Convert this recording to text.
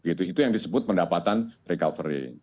itu yang disebut pendapatan recovery